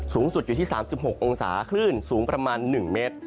สูงสุดอยู่ที่๓๖องศาคลื่นสูงประมาณ๑เมตร